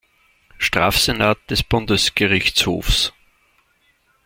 Strafsenat des Bundesgerichtshofs.